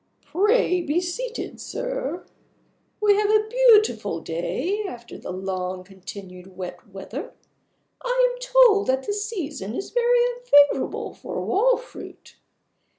"Pray be seated, sir. We have had a beautiful day, after the long continued wet weather. I am told that the season is very unfavorable for wall fruit.